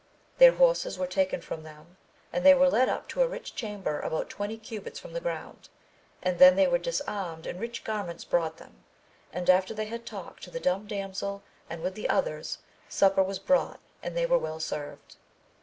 Their horses were taken from them, and they were led up to a rich cham ber about twenty cubits from the ground, and then they were disarmed and rich garments brought them, and after they had talked to the dumb damsel and with the others, supper was brought and they were well served.